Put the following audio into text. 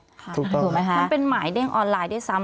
ถูกไหมคะมันเป็นหมายเด้งออนไลน์ด้วยซ้ำ